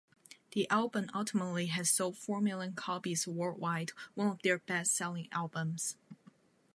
The album ultimately has sold four million copies worldwide, one of their best-selling albums.